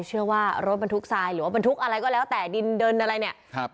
เชื่อว่ารถมันทุกข์สายหรือว่ามันทุกข์อะไรก็แล้วแต่ดินเดินอะไรเนี่ย